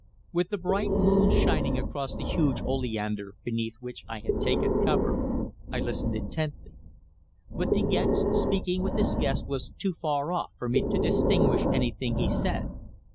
With the bright moon shining across the huge oleander beneath which I had again taken cover, I listened intently. But De Gex speaking with his guest was too far off for me to distinguish anything he said.